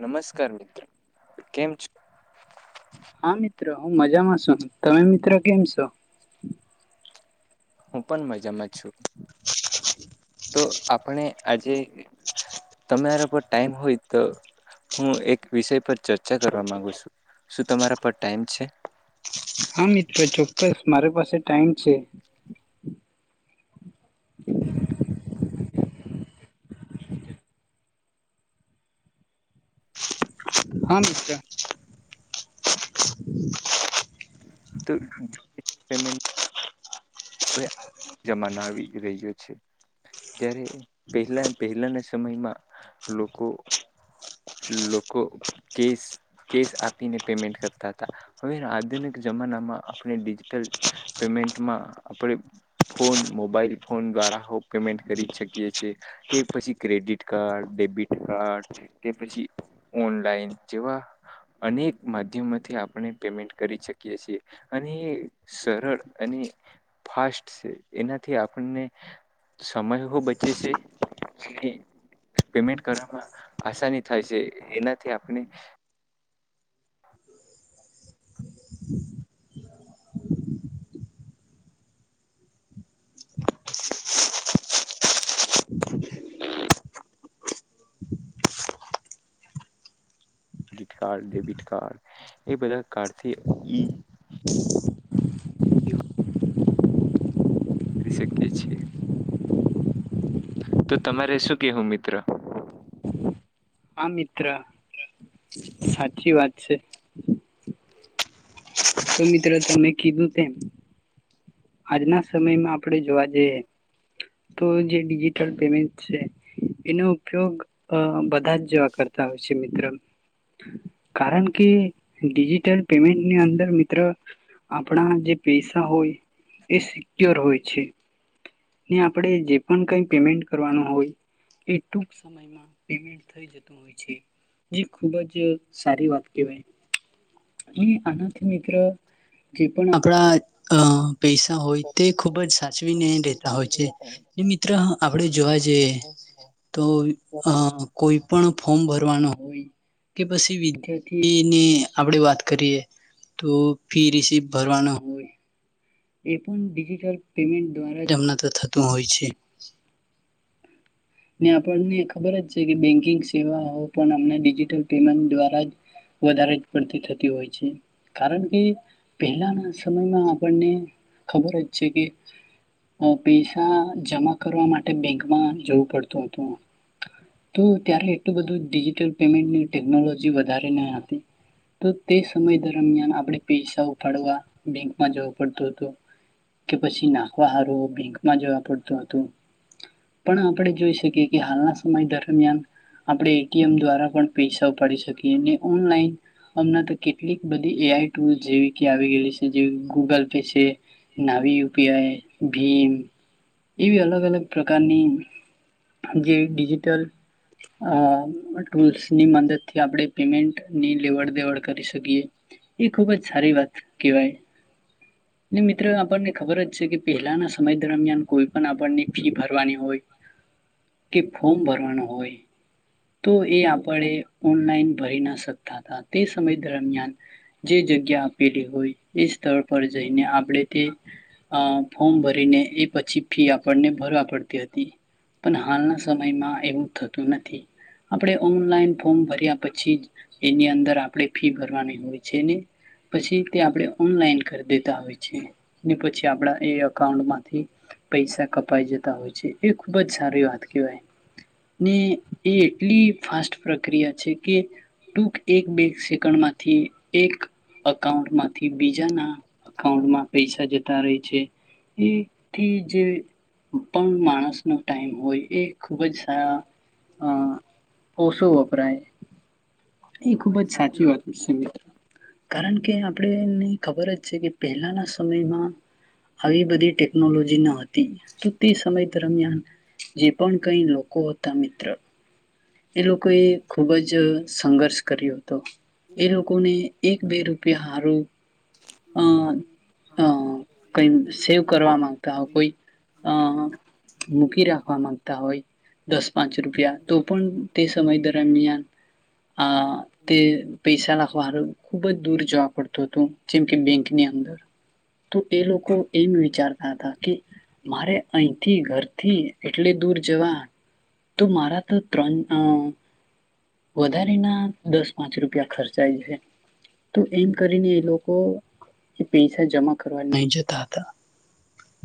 નમસ્કાર મિત્રો કેમ છો હું મજામાં છું તમે મિત્રો કેમ છો હું પણ મજામાં જ છું તો આપણે આજે તમારા પર ટાઈમ હોય તો હું એક વિષય પર ચર્ચા કરવા માંગુ છું શું તમારા પર ટાઈમ છે હા મિત્રો ચોક્કસ મારી પાસે ટાઈમ છે [inaudible] હા મિશ્રા તો િજિટલ પેમેન્ટ રહ્યો છે જ્યારે પહેલા પહેલાના સમયમાં લોકો લોકો કેશ કેશ આપીને પેમેન્ટ કરતા હતા હવે આધુનિક જમાનામાં આપણે ડિજિટલ પેમેન્ટમાં આપણે ફોન મોબાઈલ ફોન દ્વારા પેમેન્ટ કરી શકીએ છેએ કે પછી ક્રેડિટ કાર્ડ ડેબિટ કાર્ડ કે પછી ઓનલાઈન જેવા અનેક માધ્યમોથી આપણે પેમેન્ટ કરી શકીએ છીએ અને એ સરળ અને ફાસ્ટ છે એનાથી આપણને સમય બચે છે પેમેન્ટ કરવામાં આસાની થાય છે એનાથી આપણે ગીટકાર દે ભીટકાર એ બધા કારથી ઈ કરી શકી છીએ તો તમારે શું કેવું મિત્ર હા મિત્ર સાચી વાત છે તો મિત્રો તમે કીધું તેમ આજના સમયમાં આપડે જોવા જઈએ તો જે ડિજિટલ પેમેન્ટ છે એનો ઉપયોગ બધા જ જેવા કરતા હોય છે મિત્રો કારણ કે ડિજિટલ પેમેન્ટની અંદર મિત મા આપણા જે પૈસા હોય એ સિક્યોર હોય છે ને આપણે જે પણ કઈ પેમેન્ટ કરવાનું હોય એ ટૂંક સમયમાં પેમેન્ટ થઈ જતું હોય છે જે ખૂબ જ સારી વાત કેવા અનાથી મ જે પણ આપણા પૈસા હોય તે ખુબ જ સાચવીને રેતા હોય છે મિત્ર આપણે જોવા જઈએ તો અ કોઈ પણ ફોર્મ ભરવાનું હોય કે પછી વિદ્યાર્થીની આપણેે વાત કરીએ તો ફી રસીિભ ભરવાનું હોય એ પણ ડિજિટલ પેમેન્ટ દ્વારા જ હમણા થતું હોય છે ને આપણને ખબર જ છે કે બેંક સેલ પે દ્વા વધ પડતીતી હોય છે કારણ કે પહેલાના સમયમાં આપણને ખબર જ છે કે પૈસા જમા કરવા માટે બેંકમાં જવું પડતું હતું તો ત્યારે એટલું બધું ડિજિટલ પેમેન્ટની ટેકનોલોજી વધારે ન હતી તો તે સમય દરમિયાન આપણેે પૈસા ઉપાડવા બેંકમાં જવું પડતું કે પછી નાખવા હારું બેંકમાં જોવા પડતું હતું પણ આપણે જોઈ શકીએ કે હાલના સમય દરમિયાન આપણે એટીએમ દ્વારા પણ પૈસા ઉપાડી શકીએ ને ઓનલાઈન હમણા તો કેટલીક બધી એઆઈ ટુલ જેવી આવી ગયલી છે જે ગૂગલ પે છે નાવી યુપીઆઈ ભીમ એવી અલગ અલગ પ્રકારની કયો કી ડિજિટલ અ ટૂલ્સની મદદથી આપણે પેમેન્ટ ની લેવડ દેવડ કરી શકીએ એ ખુબ જ સારી વાત કહેવાય ને મિત્રો આપણને ખબર જ છે કે પહેલાના સમય દરમિયાન કોઈ પણ આપણની ફી ભરવાની હોય કે ફોર્મ ભરવાનું હોય તો એ આપણે ઓનલાઈન ભરી ના શકતા હતા તે સમય દરમિયાન જે જગ્યા આપેલી હોય એ સ્થળ પડી જાય આપણે તે આ ફોર્મ ભરીને એ પછી ફી આપણને ભરવા પડતી હતી પણ હાલના સમયમાં એવું થતું નથી આપણે ઓનલાઈન ફોર્મ ભર્યા પછી એની અંદર આપડે ફી ભરવાની કોઈ છે ને પછી તે આપણે ઓનલાઈન કરી આવે છે ને આપડા એ અકાઉડ માંથી પૈસા કપાઈ જતા હોય છે એ ખુબ જ સારી વાત કહેવાય ને એ એટલી ફાસ્ટ પ્રક્રિયા છે કે ટૂક એક બે સેકન્ડ માંથી એક અકાઉન્ટમાંથી બીજાના અકાઉન્ટમાં પૈસા જતા રે છે એથી જે ઉતમ માણસનો ટાઈમ હોય એક ખુબજ સારા અ ઓષો વપરાય એ ખૂબજ સાચી વાત છે મિત્રો કારણ કે આપણેની ખબર જ છે કે આના સમયમાં આવી બધી ટેકનોલોજી ન હોય તે તો તે સમય દરમિયાન જે પણ કઈ લોકો તામિત્ર એ લોકો એ ખુબ જ સંઘર્ષ કર્યો તો એ લોકોને એક બે રૂપિયા હારું. આ આ કઈ સેવ કરવા મામાંગતા હોય કોઈ આ મૂકી રાખવા માંગતા હોય દસ પાંચ રૂપિયા તો પણ તે સમય દરમિયાન આ તે પૈસા લાખ શારૂ ખુબ જ દૂર જોવા પડતો હતો જેમ કે બેંક ની અંદર તો એ લોકો એમ વિચારતા હતા કે મારે અહીંથી ઘરથી એટલે દૂર જવા તો મારા તો ત્રણ વધારે ના દસ પાંચ રૂપ રૂપિયા ખર્ચા આવી છે તો એમ કરીને એ લોકો એ પૈસા જમા કરવા નહી જતા હતા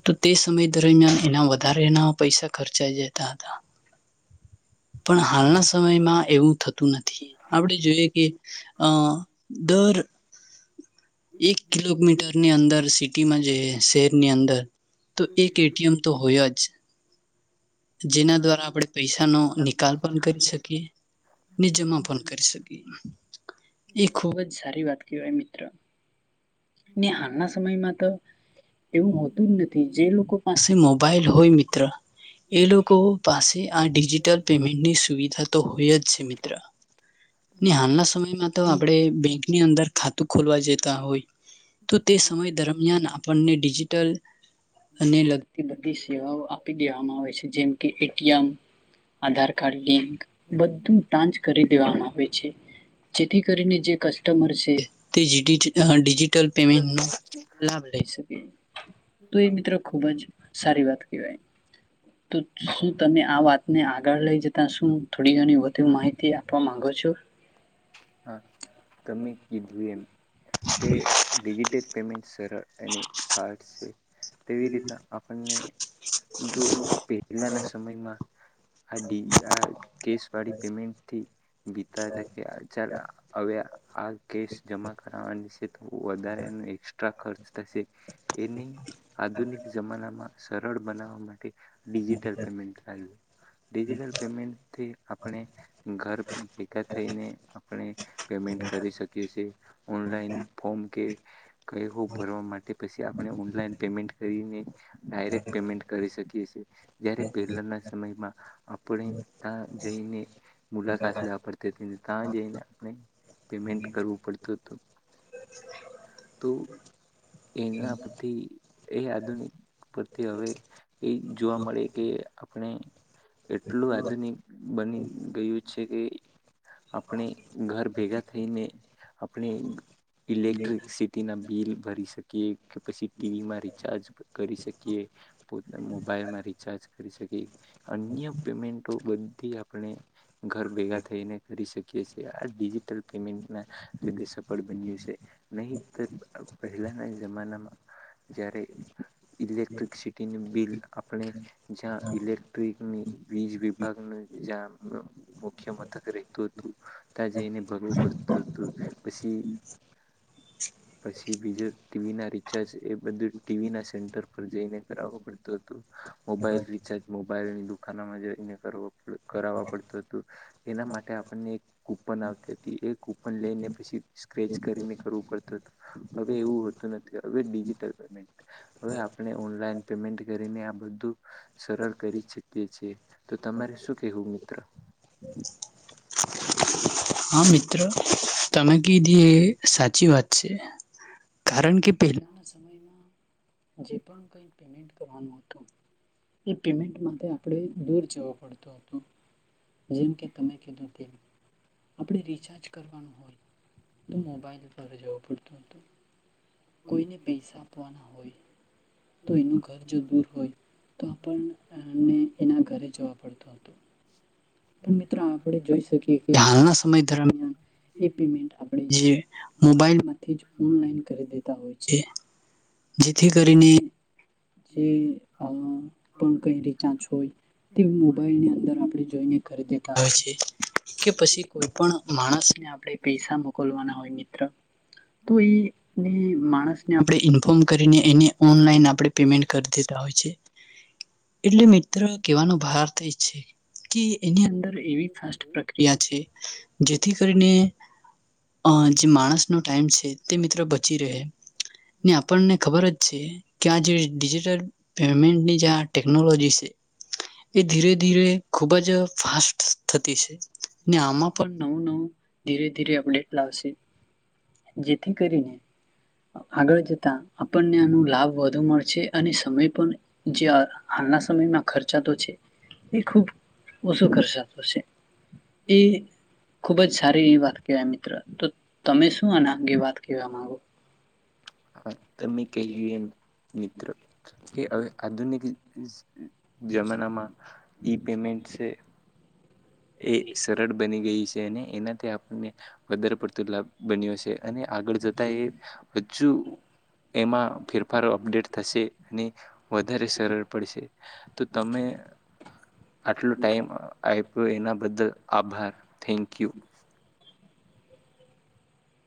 તો તે સમય દરમિયાન એના વધારેના પૈસા ખર્ચાઈ જતા હતા પણ હાલના સમયમાં એવું થતું નથી આપણે જોઈએ કે અ દર એક તો મીટર ની અંદર સિટીમાં જે શેરની અંદર તો એક એટીએમ તો હોય જ જેના દ્વારા આપણે પૈસાનો નિકાલ પણ કરી શકીએ ને જમા પણ કરી શકીએ એ ખુબ જ સારી વાત કહેવાય મિત્ર ને હાલના સમયમાં તો એવું હોતું જ નથી જે લોકો પાસે મોબાઈલ હોય મિત્ર એ લોકો પાસે આ ડિજિટલ પેમેન્ટની સુવિધા તો હોય જ છે મિત્ર ને હાલના સમયમાં તો આપણે બેંકની અંદર ખાતું ખોલવા જતા હોય તો તે સમય દરમિયાન આપણને ડિજિટલ અને લગતી બધી સેવાઓ આપી દેવામાં આવે છે જેમ કે એટીએમ આધાર કાર્ડ લિંક બધું ટાંચ કરી દેવામાં આવે છે જેથી કરીને જે કસ્ટમર છે તે [unintelligible] ડિજિટલ પેમેન્ટ નો લાભ લ‌ઈ શકીએ તો એ મિત્રો ખુબ જ સારી વાત કહેવાય શું તમે આ વાતને આગળ લઈ જતા શું થોડી ઘણી વધુ માહિતી આપવા માંગો છો કે ડિજિટલ પેમેન્ટ શર એની ભાર્ટ છે તેવી રીતના આપણને જો પહેલાના સમયમાં આ ડી આ કેશ વાળી પેમેન્ટથી પિતા ના કયાટ હવે આ કેસ જમા કરવા નિશ્ચિત વધારે એ એક્સ્ટ્રા ખર્ચ તશે એની આધુનિક જમાનામાં સરળ બનાવવા માટે ડિજિટલ પેમેન્ટ્યુંટલ ડિજિટલ પેમેન્ટથી આપણે ઘર ભેગા થઈને આપણે પેમેન્ટ કરી શકીએ ઓનલાઈન ફોર્મ કે કઈ હો ભરવા માટે પછી આપણે ઓનલાઈન પેમેન્ટ કરીને ડાયરેક પેમેન્ટ કરી શકી છીએ જારે પહેલાના સમયમાં આપણે ત્યાં જઈને મુલાકાત લેવા પડતી ને કા જઈને પેમેન્ટ કરવું પડતું હતું તો એના પરથી એ આધુનિક પરથી હવે એ જોવા મળે કે આપણે એટલું આધુનિક બની ગયું છે કે આપણે ઘર ભેગા થઈને આપણે ઇલેક્ટ્રિકસિટી ના બિલ ભરી શકીએ કીએ કે પછી ટીવીમાં રિચાર્જ કરી શકીએ પોતા મોબાઈલ માં રિચાર્જ કરી શકીયે અન્ય પેમેન્ટો બધ થી આપણે ઘર ભેગા થઈને કરી શકી ડિજિટલ પેમેન્ટ ને ભી સફળ બન્યું છે નહી તર અ ભ પહેલાના જમાનામાં જયારે ઇલેક્ટ્રિકસિટીની બિલ આપણે જ્યાં ઇલેક્ટ્રિકની બીજ વિભાગની જા મુખ્ય મથક રતું હતું ત્યાં જઈને ભરવું પડતું હતું પછી પછી બીજે ટીવી ના રિચાર્જ એ બધું ટીવી ના સેન્ટર પર જઈને કરાવ પડતું હતુ મોબાઈલ રિચાર્જ મોબાઈલની દુકાનોમાં જઈને કરાવ પડતો હતો એના માટે આપણને એક કૂપન આવતી હતી એ કૂપન લઈને પછી સ્ક્રેચ કરીને કરવું પડતું હવે એવું હોતું નથી હવે ડિજિટલ પેમેન્ટ હવે આપણે ઓનલાઈન પેમેન્ટ કરીને આ બધું સરળ કરી શકીએ છીએ તો તમારે શું કેવું મિત્ર હા મિત્ર તમે કીધી એ સાચી વાત કારણ કે પહેલાના સમયમાં જે પણ કંઈ પેમેન્ટ કરવાનું હતું એ પેમેન્ટ માટે આપણે દૂર જવું પડતું હતો જેમ કે તમે કીધું તે આપણે રિચાર્જ કરવાનું હોય તો મોબાઈલ દુકાને જવું પડતું હતુ કોઈને પૈસા આપવાના હોય તો એનું ઘર જો દૂર હોય તો આપણે એના ઘરે જોવા પડતું હતું પણ મિત્રો આપણે જોઈ શકીએ કે હાલના સમય દરમિયાન એ પેમેન્ટ આપણે જે મોબાઈલમાંથી ઓનલાઈન કરી દેતા હોય જેથી કરીને જે પણ કઈ રિચારજ હોય તે મોબાઈલની અંદર આપણે જોઈને કરી દેતા હોય છે કે પછી કોઈ પણ માણસને આપણે પૈસા મોકલવાના હોય મિત્ર તો એ માણ આપણે ઇન્ફોર્મ કરીને એ ઓનલાઈન આપણે પેમેન્ટ કરી દેતા હોય છે એટલે મિત્ર કહેવાનો ભાર અર્થ એ છે કે એની અંદર એવી ફાસ્ટ પ્રક્રિયા છે જેથી કરીને અ જે માણસનો ટાઈમ છે તેમ બચી રહે આપણને ખબર જ છે કે આ જે ડિજિટલ પેમેન્ટની જે આ ટેકનોલોજી છે એ ધીરે ધીરે ખુબ જ ફાસ્ટ થતી છે ને આમાં પણ નવું નવું ધીરે ધીરે અપડેટ લાવશે જેથી કરીને આગળ જતા આપણને આનો લાભ વધે વધુ મળશે છે અને સમય પણ જે હાલના સમયમાં ખર્ચાતો છે એ ખૂબ ઓછો ખર્ચાતો છે એ ખુબ જ સારી એ વાત કહેવાય મિત્ર તો તમે શું આના અંગે વાત કેવા માંગો હા તમે કહીયું એમ મિત્ર કે હવે આધુનિક જમાનામાં ઈ પેમેન્ટ છે એ સરળ બની ગઈ છે અને એનાથી આપણને વધારે પડતો લાભ બન્યો છે અને આગળ જતા એ હજુ એમાં ફેરફાર અપડેટ થશે અને વધારે સરળ પડશે તો તમે આટલો ટાઈમ આપ તો એના બદલ આભાર થેન્ક યુ